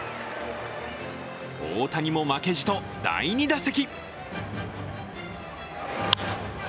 大谷も負けじと第２打席。